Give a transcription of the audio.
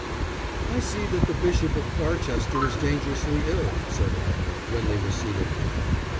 "I see that the Bishop of Barchester is dangerously ill," said Lionel, when they were seated.